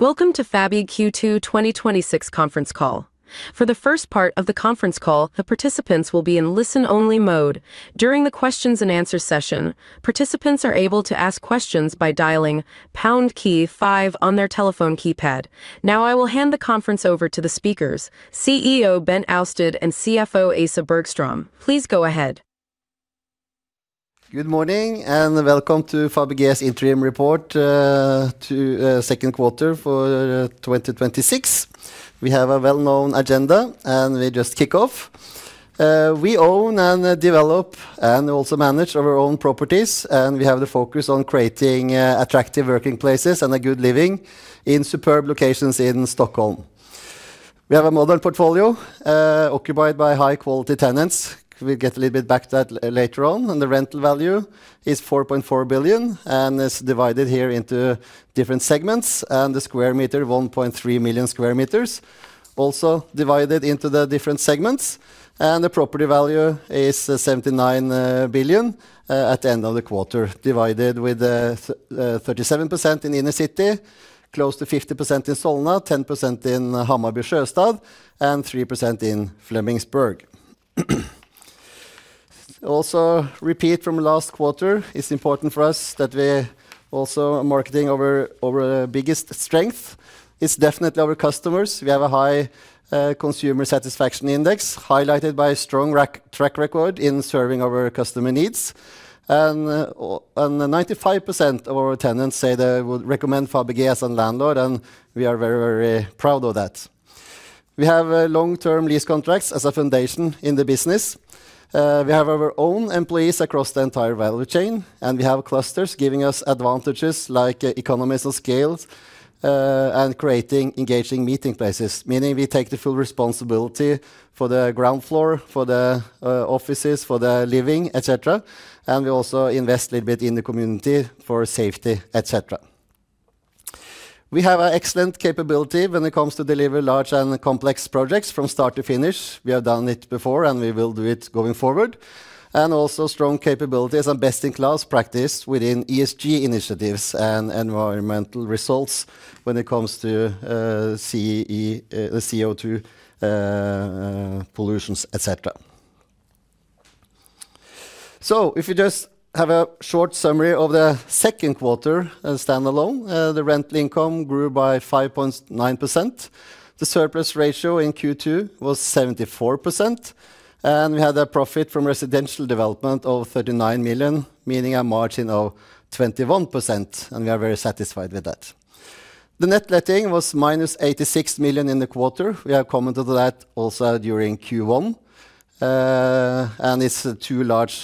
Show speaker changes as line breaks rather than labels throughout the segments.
Welcome to Fabege Q2 2026 Conference Call. For the first part of the conference call, the participants will be in listen-only mode. During the questions and answers session, participants are able to ask questions by dialing pound key five on their telephone keypad. Now I will hand the conference over to the speakers, CEO Bent Oustad and CFO Åsa Bergström. Please go ahead.
Good morning, and welcome to Fabege's interim report to second quarter for 2026. We have a well-known agenda, and we just kick off. We own and develop and also manage our own properties, and we have the focus on creating attractive working places and a good living in superb locations in Stockholm. We have a model portfolio occupied by high-quality tenants. We'll get a little bit back to that later on. The rental value is 4.4 billion and is divided here into different segments. The square meter, 1.3 million sq m, also divided into the different segments. The property value is 79 billion at the end of the quarter, divided with 37% in inner city, close to 50% in Solna, 10% in Hammarby Sjöstad, and 3% in Flemingsberg. Also repeat from last quarter, it's important for us that we also are marketing our biggest strength is definitely our customers. We have a high consumer satisfaction index, highlighted by a strong track record in serving our customer needs. 95% of our tenants say they would recommend Fabege as a landlord, and we are very proud of that. We have long-term lease contracts as a foundation in the business. We have our own employees across the entire value chain, and we have clusters giving us advantages like economies of scale, and creating engaging meeting places. Meaning we take the full responsibility for the ground floor, for the offices, for the living, et cetera. We also invest a little bit in the community for safety, et cetera. We have an excellent capability when it comes to deliver large and complex projects from start to finish. We have done it before, and we will do it going forward. Also strong capabilities and best-in-class practice within ESG initiatives and environmental results when it comes to CE, the CO2 pollutions, et cetera. If you just have a short summary of the second quarter standalone. The rental income grew by 5.9%. The surplus ratio in Q2 was 74%, and we had a profit from residential development of 39 million, meaning a margin of 21%, and we are very satisfied with that. The net letting was -86 million in the quarter. We have commented that also during Q1. It's two large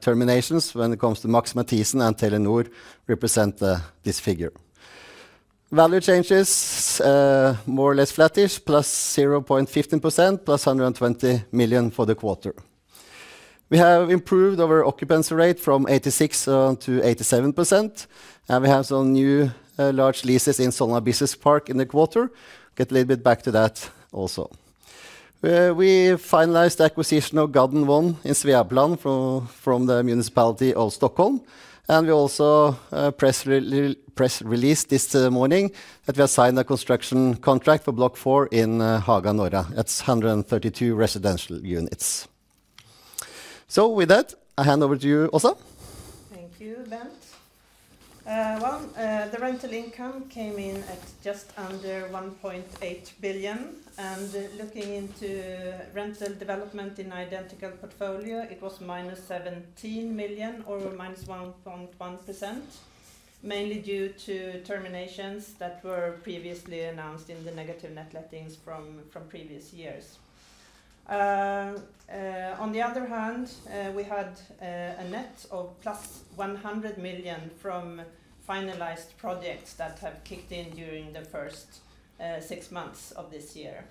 terminations when it comes to Max Matthiessen and Telenor represent this figure. Value changes, more or less flattish, +0.15%, +120 million for the quarter. We have improved our occupancy rate from 86% to 87%, we have some new large leases in Solna Business Park in the quarter. Get a little bit back to that also. We finalized the acquisition of Gadden 1 in Sveaplan from the Municipality, Stockholm, we also press released this morning that we have signed a construction contract for Block 4 in Haga Norra. That's 132 residential units. With that, I hand over to you, Åsa.
Thank you, Bent. The rental income came in at just under 1.8 billion. Looking into rental development in identical portfolio, it was -17 million or -1.1%, mainly due to terminations that were previously announced in the negative net lettings from previous years. On the other hand, we had a net of +100 million from finalized projects that have kicked in during the first six months of this year.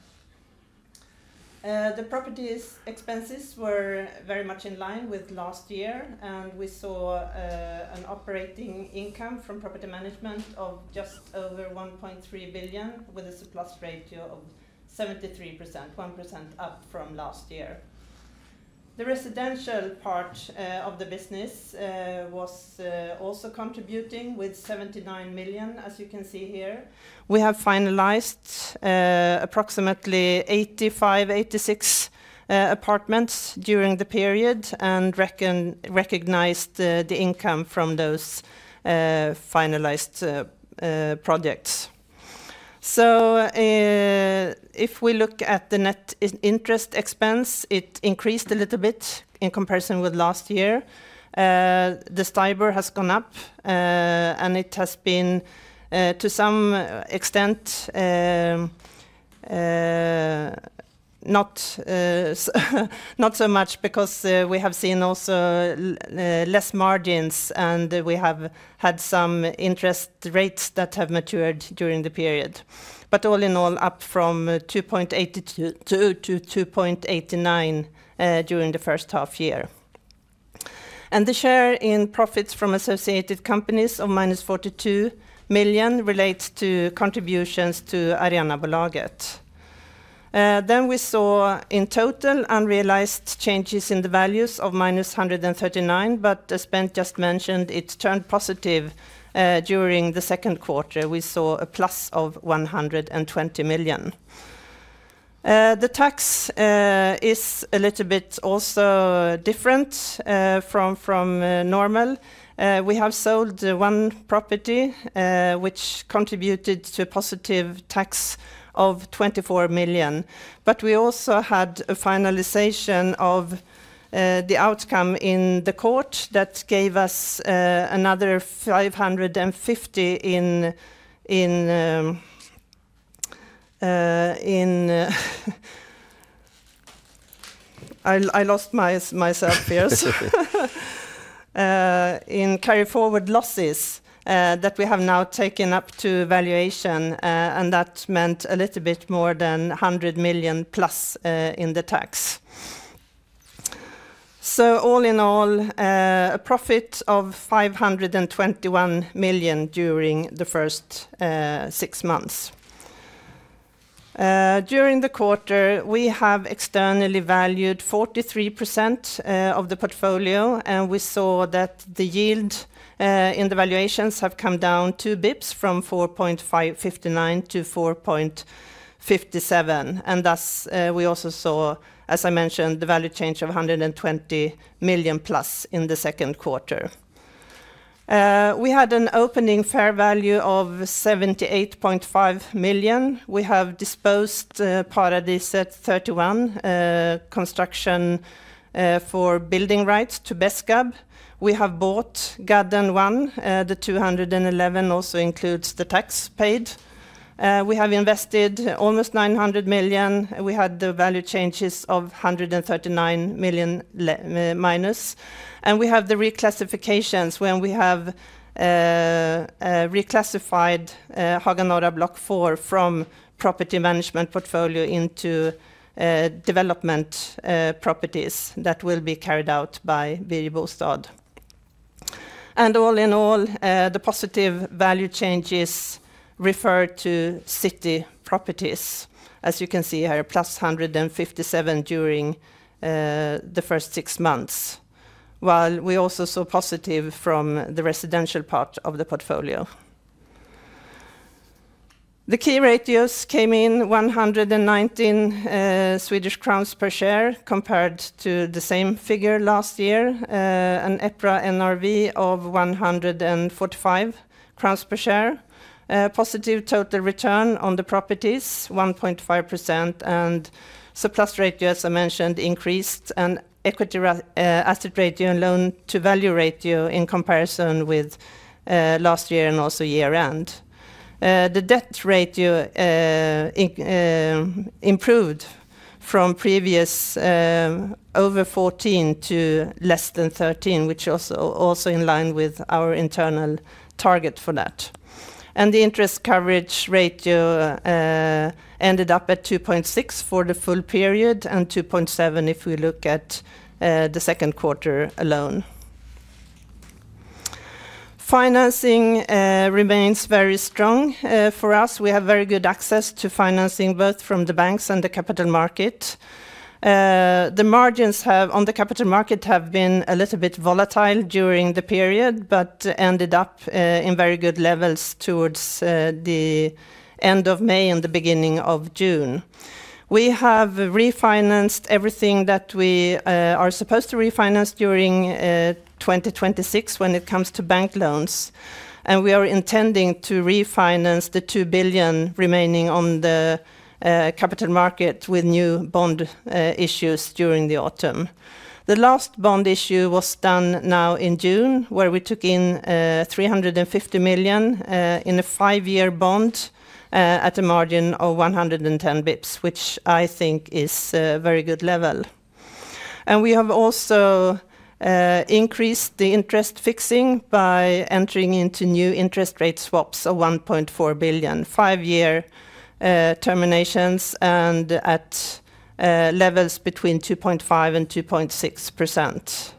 The property's expenses were very much in line with last year, we saw an operating income from property management of just over 1.3 billion, with a surplus ratio of 73%, 1% up from last year. The residential part of the business was also contributing with 79 million, as you can see here. We have finalized approximately 85, 86 apartments during the period and recognized the income from those finalized projects. If we look at the net interest expense, it increased a little bit in comparison with last year. The STIBOR has gone up. It has been, to some extent, not so much because we have seen also less margins, we have had some interest rates that have matured during the period. All in all, up from 2.82% to 2.89% during the first half year. The share in profits from associated companies of -42 million relates to contributions to Arenabolaget. We saw in total unrealized changes in the values of -139 million, but as Bent just mentioned, it turned positive during the second quarter. We saw a plus of 120 million. The tax is a little bit also different from normal. We have sold one property, which contributed to a positive tax of 24 million. We also had a finalization of the outcome in the court that gave us another SEK 550 million in carry forward losses that we have now taken up to valuation, that meant a little bit more than 100 million+ in the tax. All in all, a profit of 521 million during the first six months. During the quarter, we have externally valued 43% of the portfolio, we saw that the yield in the valuations have come down 2 bps from 4.59% to 4.57%. Thus, we also saw, as I mentioned, the value change of 120 million+ in the second quarter. We had an opening fair value of 78.5 million. We have disposed part of this at 31, construction for building rights to Besqab. We have bought Gadden 1, the 211 million also includes the tax paid. We have invested almost 900 million. We had the value changes of -139 million. We have the reclassifications when we have reclassified Haga Norra Block 4 from property management portfolio into development properties that will be carried out by Birger Bostad. All in all, the positive value changes refer to city properties. As you can see here, +157 during the first six months. While we also saw positive from the residential part of the portfolio. The key ratios came in 119 Swedish crowns per share, compared to the same figure last year. An EPRA NRV of 145 crowns per share. Positive total return on the properties, 1.5%, and surplus ratio, as I mentioned, increased, and equity asset ratio and loan-to-value ratio in comparison with last year and also year-end. The debt ratio improved from previous over 14% to less than 13%, which also in line with our internal target for that. The interest coverage ratio ended up at 2.6x for the full period and 2.7x if we look at the second quarter alone. Financing remains very strong for us. We have very good access to financing, both from the banks and the capital market. The margins on the capital market have been a little bit volatile during the period but ended up in very good levels towards the end of May and the beginning of June. We have refinanced everything that we are supposed to refinance during 2026 when it comes to bank loans. We are intending to refinance the 2 billion remaining on the capital market with new bond issues during the autumn. The last bond issue was done now in June, where we took in 350 million in a five-year bond at a margin of 110 bps, which I think is a very good level. We have also increased the interest fixing by entering into new interest rate swaps of 1.4 billion, five-year terminations and at levels between 2.5% and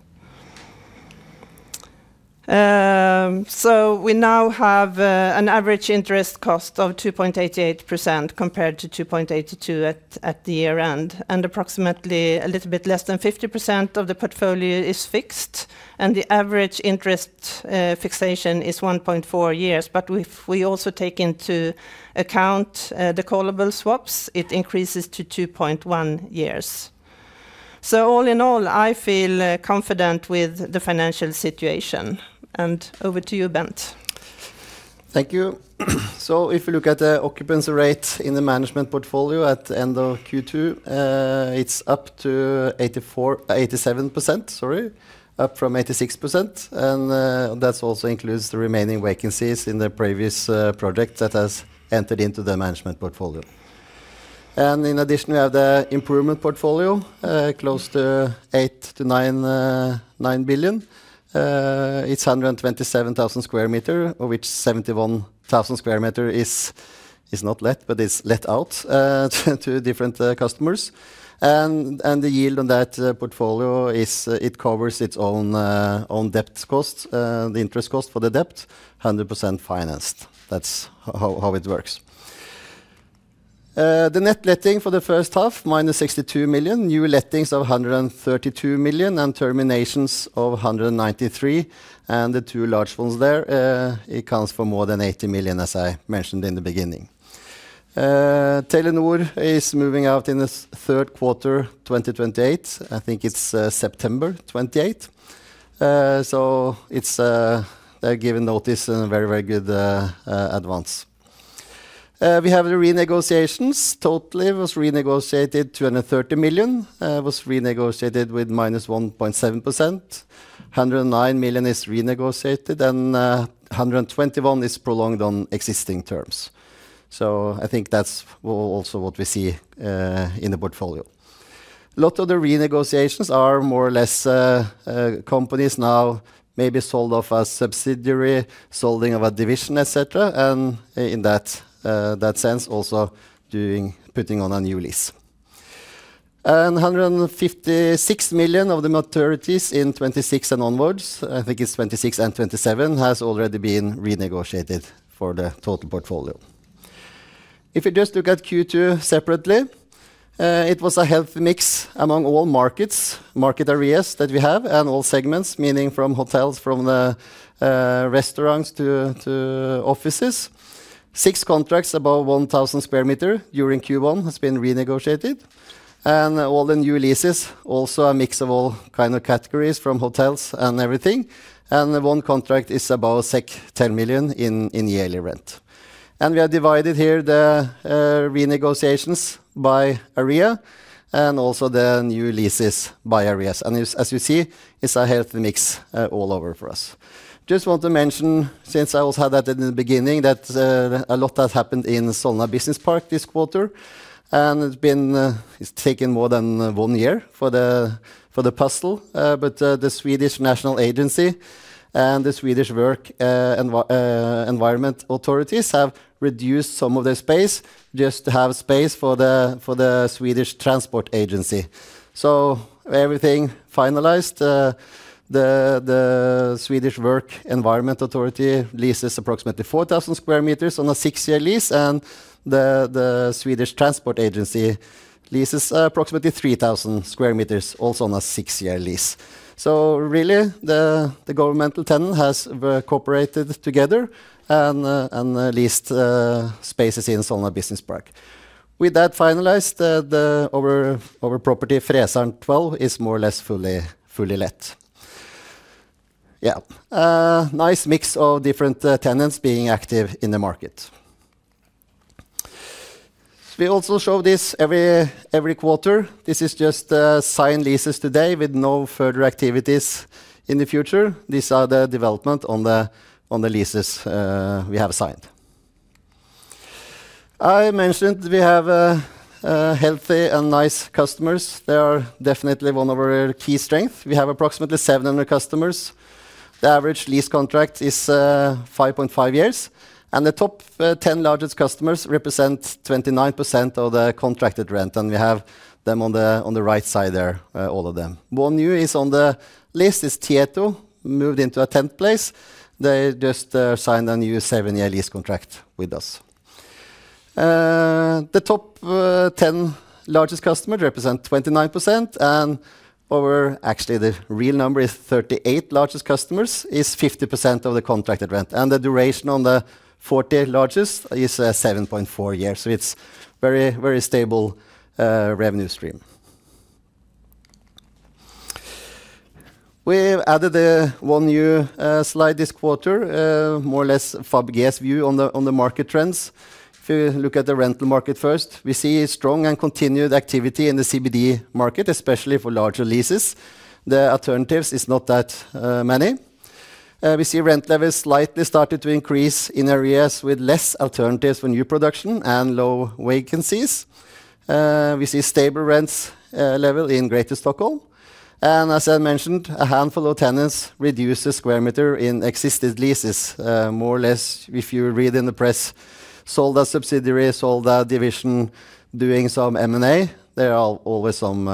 2.6%. We now have an average interest cost of 2.88% compared to 2.82% at the year-end. Approximately a little bit less than 50% of the portfolio is fixed, and the average interest fixation is 1.4 years. If we also take into account the callable swaps, it increases to 2.1 years. All in all, I feel confident with the financial situation. Over to you, Bent.
Thank you. If you look at the occupancy rate in the management portfolio at end of Q2, it's up to 87%, sorry, up from 86%. That also includes the remaining vacancies in the previous project that has entered into the management portfolio. In addition, we have the improvement portfolio, close to 8 billion-9 billion. It's 127,000 sq m, of which 71,000 sq m is not let, but is let out to different customers. The yield on that portfolio is it covers its own debt costs, the interest cost for the debt, 100% financed. That's how it works. The net letting for the first half, -62 million. New lettings of 132 million and terminations of 193 million. The two large ones there, it accounts for more than 80 million, as I mentioned in the beginning. Telenor is moving out in the third quarter 2028. I think it's September 2028. They've given notice in very good advance. We have the renegotiations. It was renegotiated 230 million. It was renegotiated with -1.7%. 109 million is renegotiated, and 121 million is prolonged on existing terms. I think that's also what we see in the portfolio. A lot of the renegotiations are more or less companies now maybe sold off a subsidiary, selling of a division, et cetera. In that sense, also putting on a new lease. 156 million of the maturities in 2026 and onwards, I think it's 2026 and 2027, has already been renegotiated for the total portfolio. If you just look at Q2 separately, it was a healthy mix among all markets, market areas that we have, and all segments, meaning from hotels, from restaurants to offices. Six contracts above 1,000 sq m during Q1 has been renegotiated. All the new leases also a mix of all kind of categories from hotels and everything. One contract is above 10 million in yearly rent. We have divided here the renegotiations by area and also the new leases by areas. As you see, it's a healthy mix all over for us. Just want to mention, since I also had that in the beginning, that a lot has happened in Solna Business Park this quarter. It's taken more than one year for the puzzle. The Swedish National Agency and the Swedish Work Environment Authority have reduced some of their space just to have space for the Swedish Transport Agency. Everything finalized. The Swedish Work Environment Authority leases approximately 4,000 sq m on a six-year lease, and the Swedish Transport Agency leases approximately 3,000 sq m, also on a six-year lease. Really, the governmental tenant has cooperated together and leased spaces in Solna Business Park. With that finalized, our property Fräsaren 12 is more or less fully let. Nice mix of different tenants being active in the market. We also show this every quarter. This is just signed leases to date with no further activities in the future. These are the development on the leases we have signed. I mentioned we have healthy and nice customers. They are definitely one of our key strengths. We have approximately 700 customers. The average lease contract is 5.5 years. The top 10 largest customers represent 29% of the contracted rent. We have them on the right side there, all of them. One new is on the list is Tietoevry, moved into a 10th place. They just signed a new seven-year lease contract with us. The top 10 largest customers represent 29%, and over, actually the real number is 38 largest customers is 50% of the contracted rent. The duration on the 40 largest is 7.4 years. It's very stable revenue stream. We've added one new slide this quarter. More or less Fabege's view on the market trends. If you look at the rental market first, we see strong and continued activity in the CBD market, especially for larger leases. The alternatives is not that many. We see rent levels slightly started to increase in areas with less alternatives for new production and low vacancies. We see stable rents level in Greater Stockholm. As I mentioned, a handful of tenants reduce the square meter in existing leases. More or less, if you read in the press, sold a subsidiary, sold a division, doing some M&A. There are always some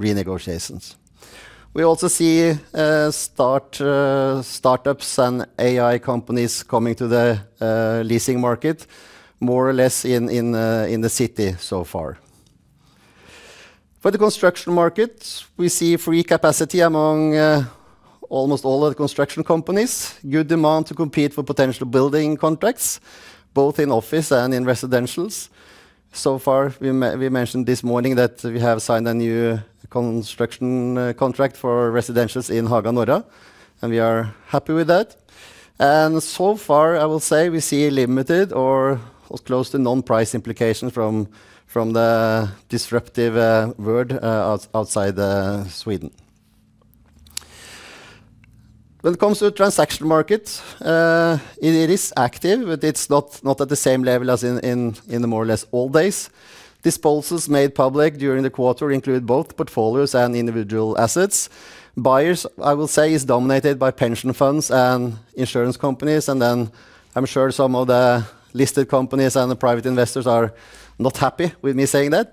renegotiations. We also see startups and AI companies coming to the leasing market, more or less in the city so far. For the construction market, we see free capacity among almost all of the construction companies. Good demand to compete for potential building contracts, both in office and in residentials. So far, we mentioned this morning that we have signed a new construction contract for residentials in Haga Norra, and we are happy with that. So far, I will say we see limited or close to no price implication from the disruptive world outside Sweden. When it comes to transaction market, it is active, but it's not at the same level as in the more or less old days. Disposals made public during the quarter include both portfolios and individual assets. Buyers, I will say, is dominated by pension funds and insurance companies, then I'm sure some of the listed companies and the private investors are not happy with me saying that.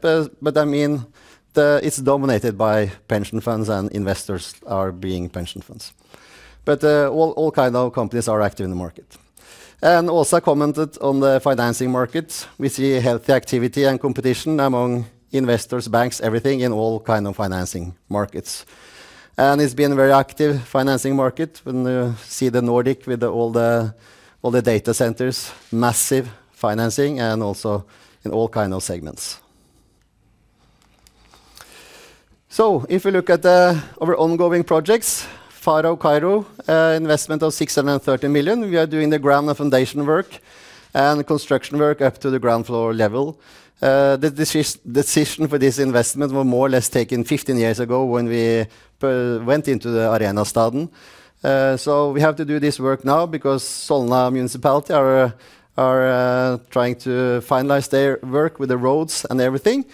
I mean it's dominated by pension funds, and investors are being pension funds. All kind of companies are active in the market. Also commented on the financing market. We see healthy activity and competition among investors, banks, everything in all kind of financing markets. It's been a very active financing market when you see the Nordic with all the data centers, massive financing, also in all kind of segments. If we look at our ongoing projects, Farao/Kairo, investment of 630 million. We are doing the ground and foundation work and construction work up to the ground floor level. The decision for this investment was more or less taken 15 years ago when we went into the Arenastaden. We have to do this work now because Solna Municipality are trying to finalize their work with the roads and everything.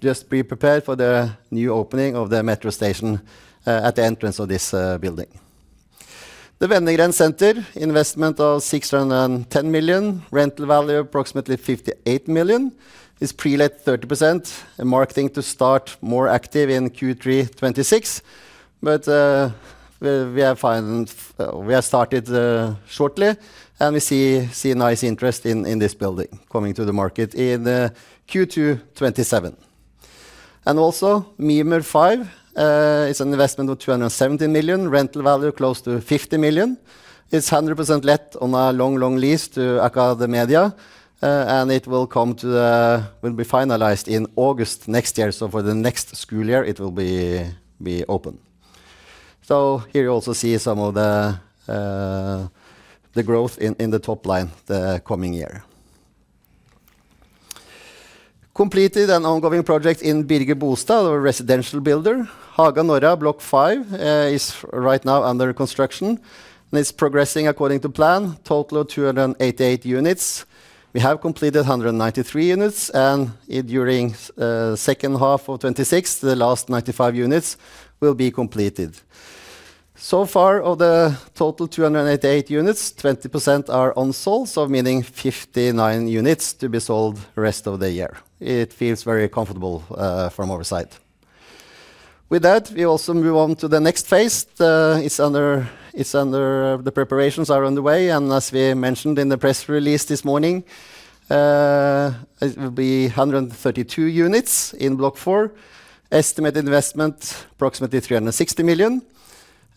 Just be prepared for the new opening of the metro station at the entrance of this building. The Wenner-Gren Center, investment of 610 million. Rental value approximately 58 million. It's pre-let 30%, marketing to start more active in Q3 2026. We have started shortly, and we see nice interest in this building coming to the market in the Q2 2027. Also, Mimer 5. It's an investment of 270 million. Rental value close to 50 million. It's 100% let on a long lease to AcadeMedia, and it will be finalized in August next year. For the next school year, it will be open. Here you also see some of the growth in the top line the coming year. Completed and ongoing project in Birger Bostad, our residential builder. Haga Norra Block 5 is right now under construction and is progressing according to plan. Total of 288 units. We have completed 193 units, and during second half of 2026, the last 95 units will be completed. So far, of the total 288 units, 20% are unsold, meaning 59 units to be sold rest of the year. It feels very comfortable from our side. With that, we also move on to the next phase. The preparations are on the way. As we mentioned in the press release this morning, it will be 132 units in Block 4. Estimated investment, approximately 360 million.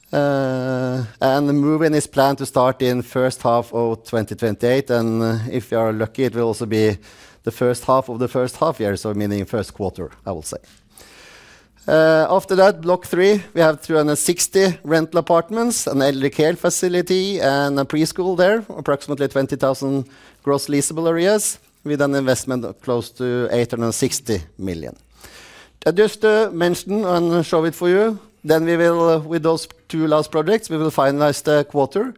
The move-in is planned to start in first half of 2028. If we are lucky, it will also be the first half of the first half-year, meaning first quarter, I will say. After that, Block 3. We have 360 rental apartments, an elderly care facility, and a preschool there. Approximately 20,000 gross leasable areas with an investment close to 860 million. Just to mention and show it for you. With those two last projects, we will finalize the quarter.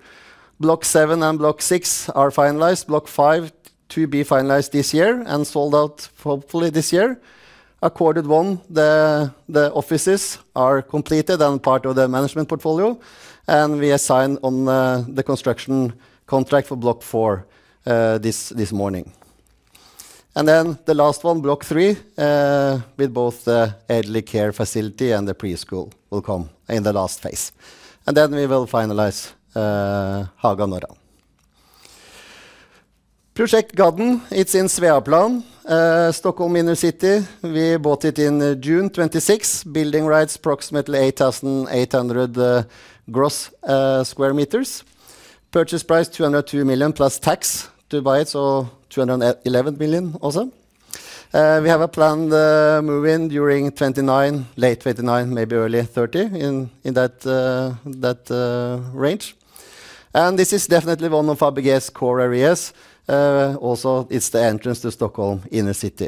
Block 7 and Block 6 are finalized. Block 5 to be finalized this year and sold out hopefully this year. Ackordet 1, the offices are completed and part of the management portfolio. We have signed on the construction contract for Block 4 this morning. The last one, Block 3, with both the elderly care facility and the preschool will come in the last phase. We will finalize Haga Norra. Project Garden, it's in Sveaplan, Stockholm inner city. We bought it in June 2026. Building rights, approximately 8,800 gross sq m. Purchase price 202 million plus tax to buy it, so 211 million also. We have a planned move-in during late 2029, maybe early 2030, in that range. This is definitely one of Fabege's core areas. Also, it's the entrance to Stockholm inner city.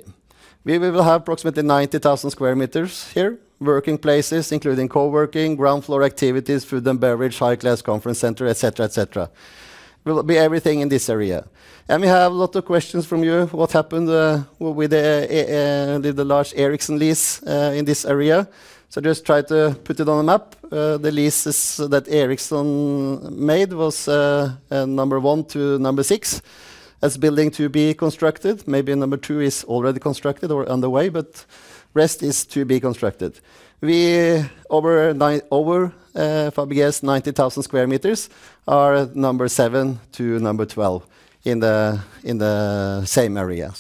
We will have approximately 90,000 sq m here. Working places including co-working, ground floor activities, food and beverage, high-class conference center, et cetera. Will be everything in this area. We have a lot of questions from you. What happened with the large Ericsson lease in this area? Just try to put it on the map. The leases that Ericsson made was number one to number six as building to be constructed. Maybe number two is already constructed or on the way, rest is to be constructed. Over Fabege's 90,000 sq m are number seven to number 12 in the same area.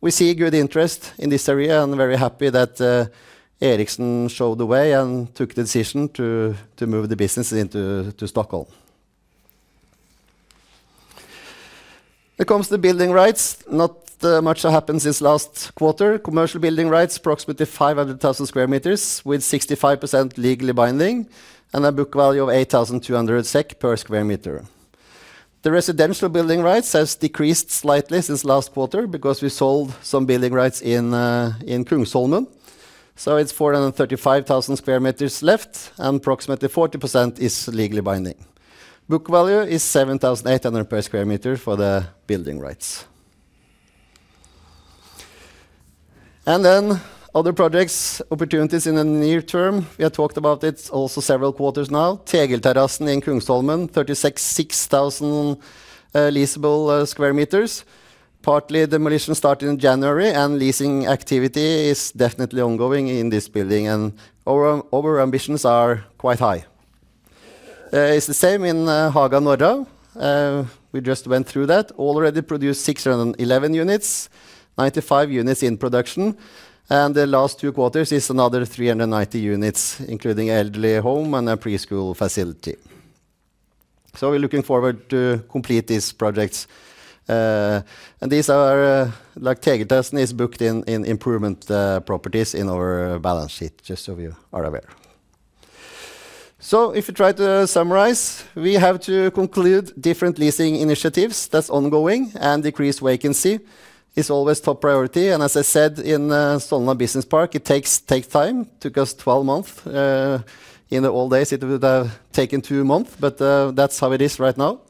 We see good interest in this area and very happy that Ericsson showed the way and took the decision to move the business into Stockholm. When it comes to building rights, not much happened since last quarter. Commercial building rights, approximately 500,000 sq m, with 65% legally binding and a book value of 8,200 SEK/sq m. The residential building rights has decreased slightly since last quarter because we sold some building rights in Kungsholmen. It's 435,000 sq m left and approximately 40% is legally binding. Book value is 7,800/sq m for the building rights. Other projects, opportunities in the near term. We have talked about it also several quarters now. Tegelterrassen in Kungsholmen. 36,000 leasable square meters. Partly demolition started in January, leasing activity is definitely ongoing in this building. Our ambitions are quite high. It's the same in Haga Norra. We just went through that. Already produced 611 units, 95 units in production. The last two quarters is another 390 units, including elderly home and a preschool facility. We're looking forward to complete these projects. These are, like Tegelterrassen, is booked in improvement properties in our balance sheet, just so you are aware. If you try to summarize, we have to conclude different leasing initiatives that's ongoing, decreased vacancy is always top priority. As I said, in Solna Business Park, it takes time. Took us 12 months. In the old days, it would have taken two months, but that's how it is right now.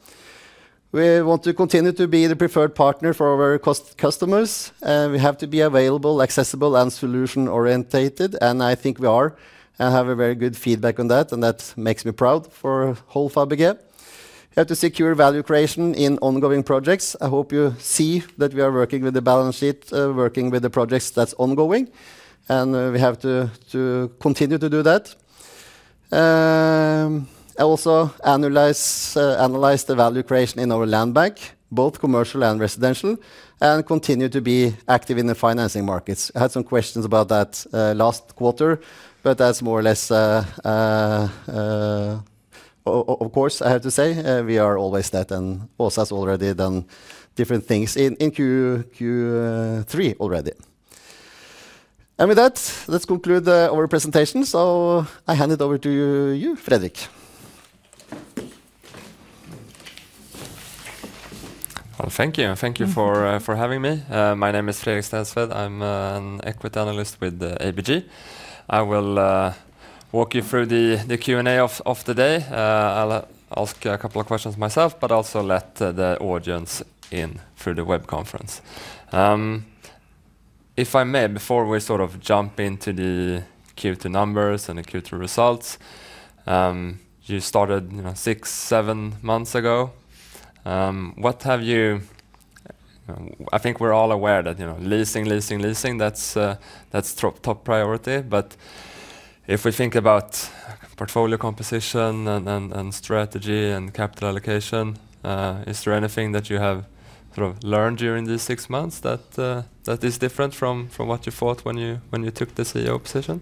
We want to continue to be the preferred partner for our customers. We have to be available, accessible, and solution-orientated, and I think we are, and have a very good feedback on that, and that makes me proud for whole Fabege. We have to secure value creation in ongoing projects. I hope you see that we are working with the balance sheet, working with the projects that's ongoing, and we have to continue to do that. Also analyze the value creation in our land bank, both commercial and residential, and continue to be active in the financing markets. I had some questions about that last quarter, but that's more or less, of course, I have to say, we are always that, and Åsa has already done different things in Q3 already. With that, let's conclude our presentation. I hand it over to you, Fredrik.
Thank you. Thank you for having me. My name is Fredrik Stensved. I'm an Equity Analyst with ABG. I will walk you through the Q&A of the day. I'll ask a couple of questions myself, but also let the audience in through the web conference. If I may, before we jump into the Q2 numbers and the Q2 results, you started six, seven months ago. I think we're all aware that leasing, leasing, that's top priority. If we think about portfolio composition and strategy and capital allocation, is there anything that you have learned during these six months that is different from what you thought when you took the CEO position?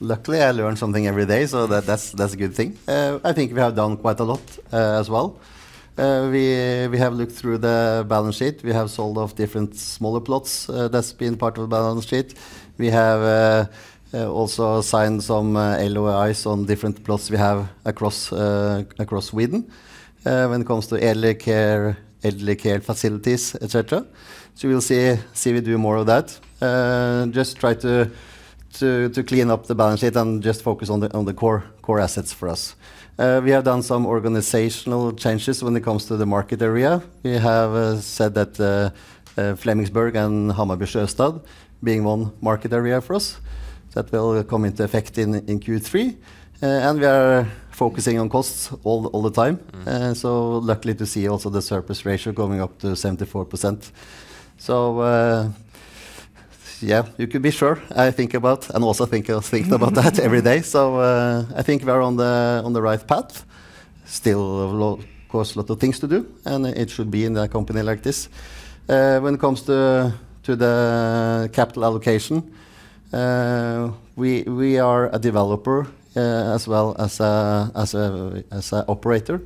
Luckily, I learn something every day, so that's a good thing. I think we have done quite a lot as well. We have looked through the balance sheet. We have sold off different smaller plots that's been part of the balance sheet. We have also signed some LOIs on different plots we have across Sweden when it comes to elderly care facilities, et cetera. You will see we do more of that. Just try to clean up the balance sheet and just focus on the core assets for us. We have done some organizational changes when it comes to the market area. We have said that Flemingsberg and Hammarby Sjöstad being one market area for us, that will come into effect in Q3. We are focusing on costs all the time. Luckily to see also the surplus ratio going up to 74%. Yeah, you could be sure. I think about, and also think you are thinking about that every day. I think we're on the right path. Still, of course, a lot of things to do, and it should be in a company like this. When it comes to the capital allocation, we are a developer as well as a operator.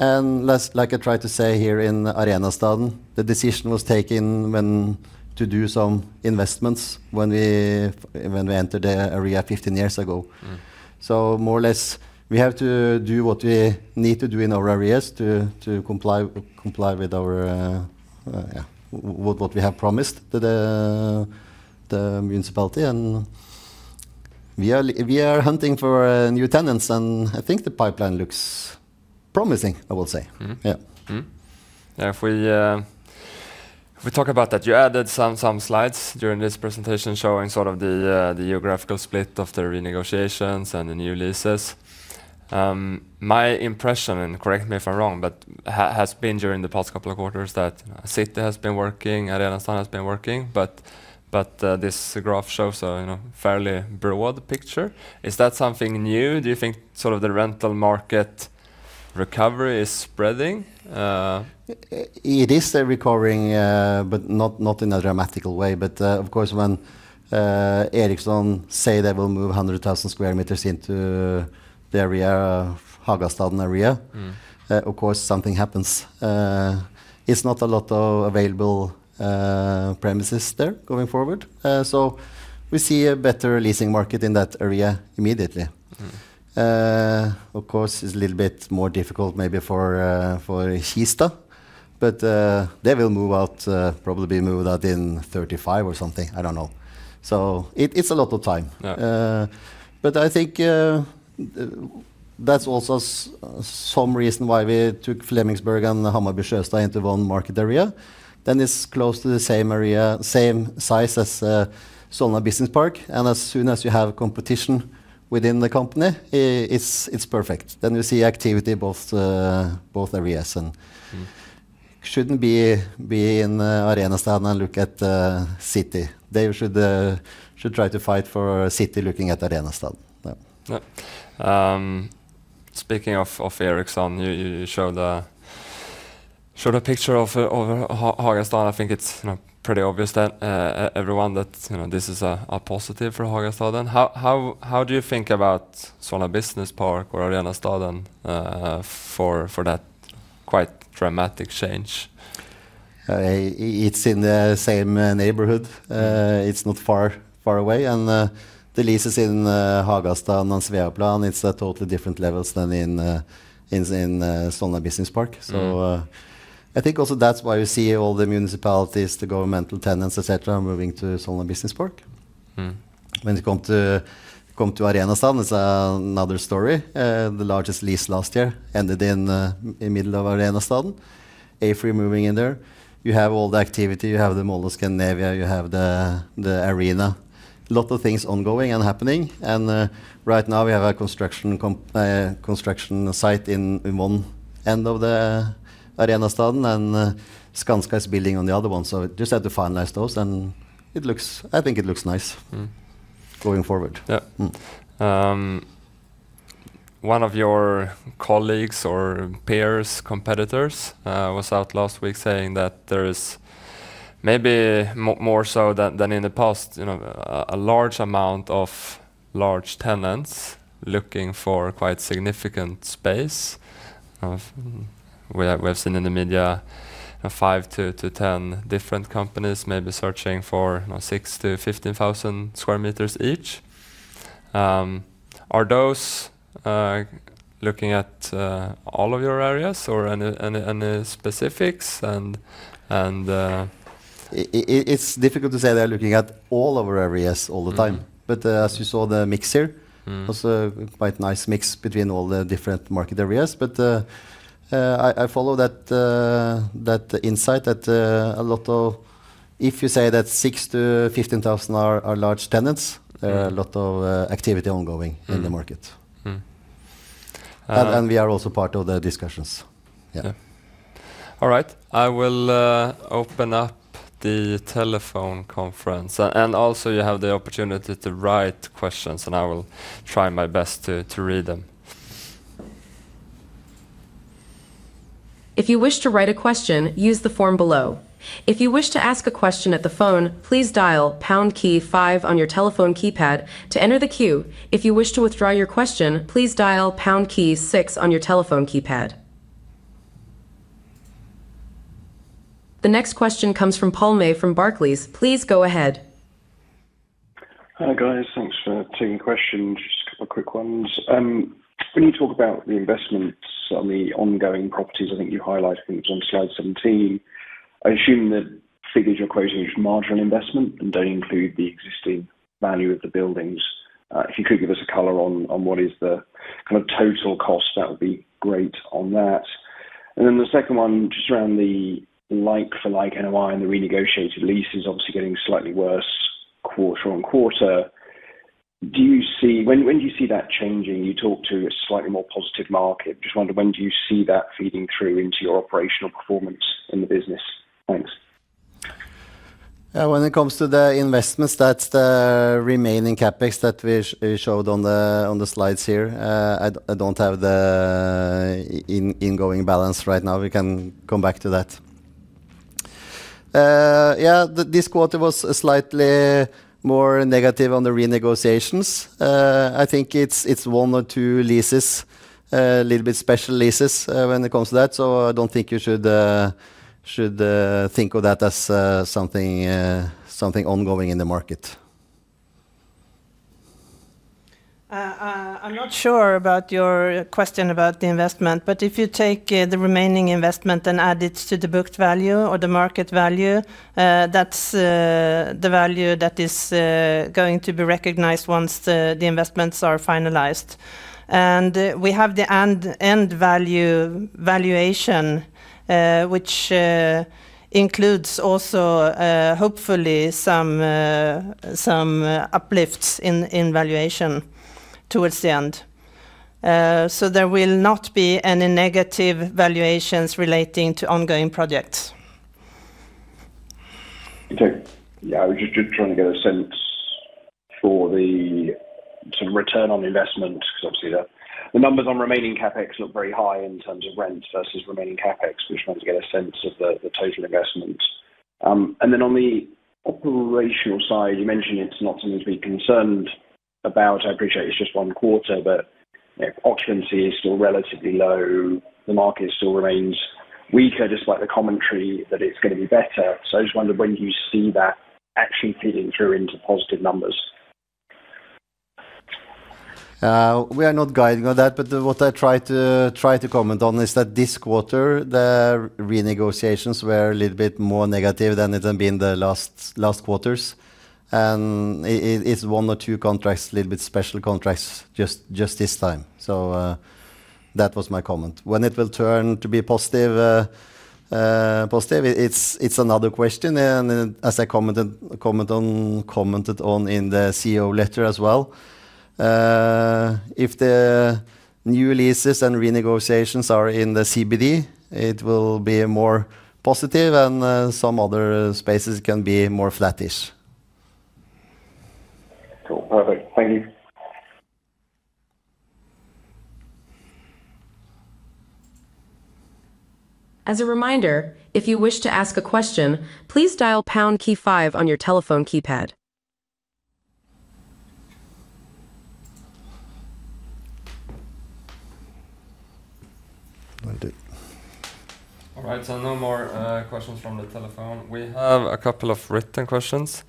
Like I tried to say here in Arenastaden, the decision was taken when to do some investments when we entered the area 15 years ago. More or less, we have to do what we need to do in our areas to comply with what we have promised to the municipality. We are hunting for new tenants, and I think the pipeline looks promising, I will say.
If we talk about that, you added some slides during this presentation showing the geographical split of the renegotiations and the new leases. My impression, and correct me if I'm wrong, but has been during the past couple of quarters that City has been working, Arenastaden has been working, but this graph shows a fairly broad picture. Is that something new? Do you think the rental market recovery is spreading?
It is recovering, but not in a dramatical way. Of course, when Ericsson say they will move 100,000 sq m into the area of Hagastaden area. Of course, something happens. It's not a lot of available premises there going forward. We see a better leasing market in that area immediately. Of course, it's a little bit more difficult maybe for Kista. They will move out, probably move out in 2035 or something. I don't know. It's a lot of time.
Yeah.
I think that's also some reason why we took Flemingsberg and Hammarby Sjöstad into one market area. It's close to the same area, same size as Solna Business Park. As soon as you have competition. Within the company? It's perfect. We see activity both areas, and they shouldn't be in Arenastaden and look at city. They should try to fight for city looking at Arenastaden.
Yeah. Speaking of Ericsson, you showed a picture of Hagastaden. I think it's pretty obvious to everyone that this is a positive for Hagastaden. How do you think about Solna Business Park or Arenastaden for that quite dramatic change?
It's in the same neighborhood. It's not far away. The leases in Hagastaden and Sveaplan, it's at totally different levels than in Solna Business Park. I think also that's why you see all the municipalities, the governmental tenants, et cetera, moving to Solna Business Park. When it comes to Arenastaden is another story. The largest lease last year ended in middle of Arenastaden. [Fabege] moving in there. You have all the activity, you have the Mall of Scandinavia, you have the arena. A lot of things ongoing and happening. Right now we have a construction site in one end of the Arenastaden, Skanska is building on the other one. Just have to finalize those, and I think it looks nice going forward.
Yeah. One of your colleagues or peers, competitors, was out last week saying that there is maybe more so than in the past, a large amount of large tenants looking for quite significant space. We have seen in the media 5-10 different companies maybe searching for 6,000 to 15,000 sq m each. Are those looking at all of your areas or any specifics?
It's difficult to say they're looking at all of our areas all the time. As you saw the mix here. The mix was a quite nice mix between all the different market areas. I follow that insight that a lot of. If you say that 6,000 to 15,000 sq m are large tenants a lot of activity in the market. We are also part of the discussions.
Yeah. All right. I will open up the telephone conference. Also you have the opportunity to write questions, and I will try my best to read them.
If you wish to write a question, use the form below. If you wish to ask a question at the phone, please dial pound key five on your telephone keypad to enter the queue. If you wish to withdraw your question, please dial pound key six on your telephone keypad. The next question comes from Paul May from Barclays. Please go ahead.
Hi, guys. Thanks for taking the question. Just a couple of quick ones. When you talk about the investments on the ongoing properties, I think you highlighted, I think it was on slide 17. I assume the figures you're quoting is marginal investment, and don't include the existing value of the buildings. If you could give us a color on what is the kind of total cost, that would be great on that. The second one, just around the like for like NOI and the renegotiated leases obviously getting slightly worse quarter-on-quarter. When do you see that changing? You talk to a slightly more positive market. Just wonder when do you see that feeding through into your operational performance in the business? Thanks.
When it comes to the investments, that's the remaining CapEx that we showed on the slides here. I don't have the ingoing balance right now. We can come back to that. Yeah. This quarter was slightly more negative on the renegotiations. I think it's one or two leases. A little bit special leases, when it comes to that, so I don't think you should think of that as something ongoing in the market.
I'm not sure about your question about the investment, if you take the remaining investment and add it to the booked value or the market value, that's the value that is going to be recognized once the investments are finalized. We have the end value valuation, which includes also, hopefully some uplifts in valuation towards the end. There will not be any negative valuations relating to ongoing projects.
Okay. Yeah, I was just trying to get a sense for the sort of return on investment, because obviously the numbers on remaining CapEx look very high in terms of rent versus remaining CapEx. Just wanted to get a sense of the total investment. On the operational side, you mentioned it's not something to be concerned about. I appreciate it's just one quarter, but occupancy is still relatively low. The market still remains weaker, despite the commentary that it's going to be better. I just wondered when do you see that actually feeding through into positive numbers?
We are not guiding on that, what I try to comment on is that this quarter, the renegotiations were a little bit more negative than it had been the last quarters. It's one or two contracts, a little bit special contracts, just this time. That was my comment. When it will turn to be positive, it's another question. As I commented on in the CEO letter as well, if the new leases and renegotiations are in the CBD, it will be more positive and some other spaces can be more flattish.
Cool. Perfect. Thank you.
As a reminder, if you wish to ask a question, please dial pound key five on your telephone keypad.
Fredrik?
All right. No more questions from the telephone. We have a couple of written questions.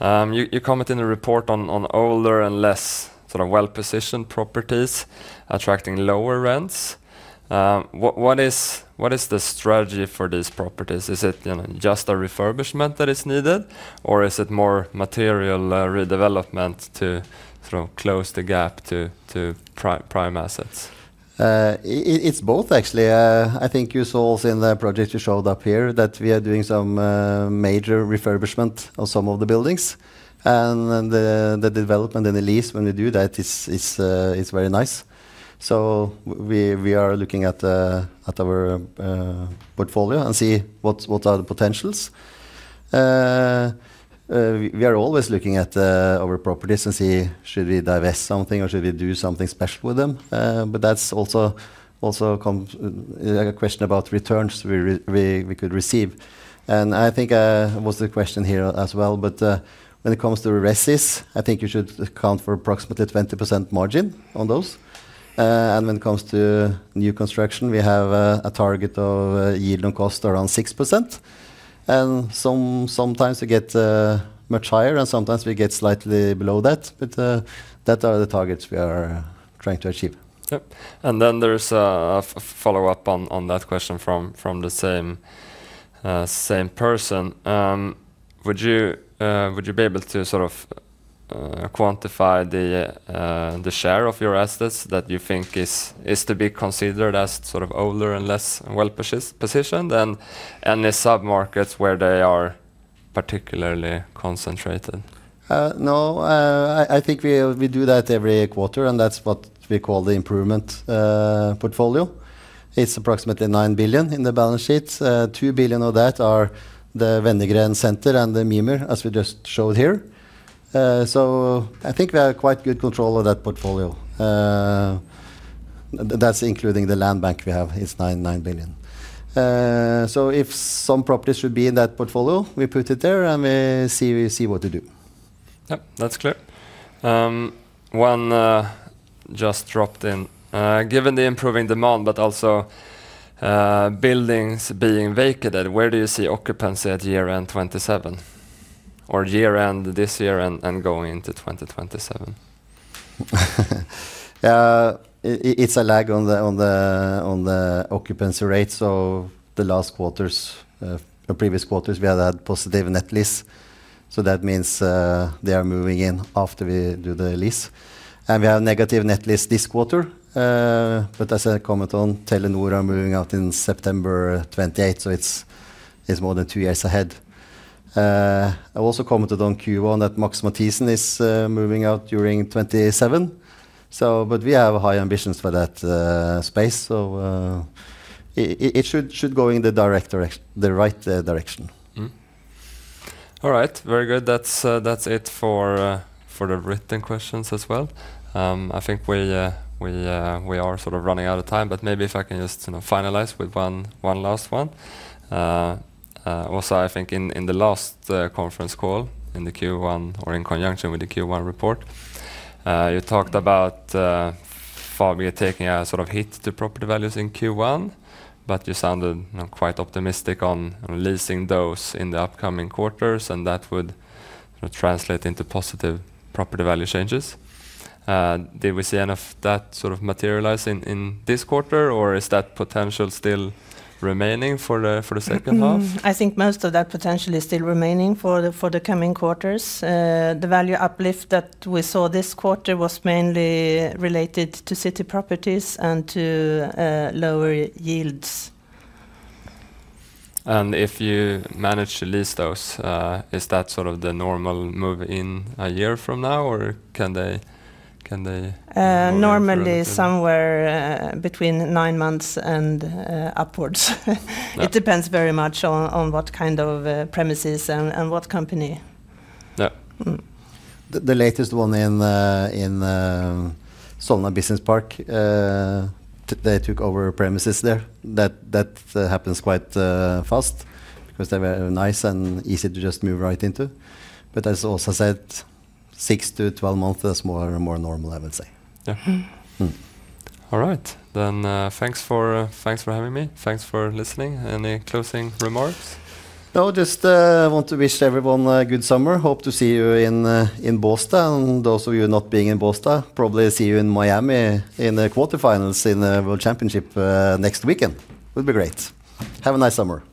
You comment in the report on older and less sort of well-positioned properties attracting lower rents. What is the strategy for these properties? Is it just a refurbishment that is needed, or is it more material redevelopment to sort of close the gap to prime assets?
It's both, actually. I think you saw in the project you showed up here that we are doing some major refurbishment of some of the buildings. The development and the lease when we do that is very nice. We are looking at our portfolio and see what are the potentials. We are always looking at our properties to see should we divest something or should we do something special with them. That's also a question about returns we could receive, and I think was the question here as well. When it comes to [Stratsys], I think you should account for approximately 20% margin on those. When it comes to new construction, we have a target of yield on cost around 6%. Sometimes we get much higher, and sometimes we get slightly below that. That are the targets we are trying to achieve.
Yep. Then there is a follow-up on that question from the same person. Would you be able to sort of quantify the share of your assets that you think is to be considered as sort of older and less well-positioned? Any sub-markets where they are particularly concentrated?
No. I think we do that every quarter, that's what we call the improvement portfolio. It's approximately 9 billion in the balance sheet. 2 billion of that are the Wenner-Gren Center and the Mimer, as we just showed here. I think we have quite good control of that portfolio. That's including the land bank we have is 9 billion. If some properties should be in that portfolio, we put it there, we see what to do.
Yep. That's clear. One just dropped in. Given the improving demand, but also buildings being vacated, where do you see occupancy at year-end 2027 or year-end this year and going into 2027?
It's a lag on the occupancy rates of the last quarters. Previous quarters, we had positive net lease. That means they are moving in after we do the lease. We have negative net lease this quarter. As I comment on Telenor moving out in September 2028, it's more than two years ahead. I also commented on Q1 that Max Matthiessen is moving out during 2027. We have high ambitions for that space, it should go in the right direction.
All right. Very good. That's it for the written questions as well. I think we are sort of running out of time, maybe if I can just finalize with one last one. Also, I think in the last conference call in the Q1 or in conjunction with the Q1 report, you talked about Fabege taking a sort of hit to property values in Q1. You sounded quite optimistic on leasing those in the upcoming quarters, and that would translate into positive property value changes. Did we see any of that sort of materialize in this quarter, or is that potential still remaining for the second half?
I think most of that potential is still remaining for the coming quarters. The value uplift that we saw this quarter was mainly related to city properties and to lower yields.
If you manage to lease those, is that sort of the normal move in a year from now, or can they move more quicker than?
Normally somewhere between nine months and upwards. It depends very much on what kind of premises and what company.
Yeah.
The latest one in Solna Business Park they took over premises there. That happens quite fast because they were nice and easy to just move right into. As Åsa said, 6-12 months is more and more normal, I would say.
Yeah. All right. Thanks for having me. Thanks for listening. Any closing remarks?
Just want to wish everyone a good summer. Hope to see you in Boston. Those of you not being in Boston, probably see you in Miami in the quarterfinals in the world championship next weekend. Would be great. Have a nice summer.